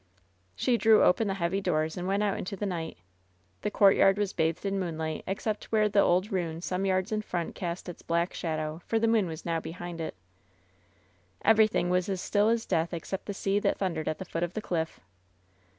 She drew open the heavy doors and went out into the night. The courtyard was bathed in moonlight, except where the old ruin some yards in front cast its black shadow, for the moon was now behind it Everything was as still as death except the sea that thundered at the foot of the cliff.